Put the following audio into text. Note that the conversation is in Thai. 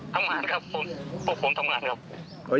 ทำงานครับพวกผมทำงานครับ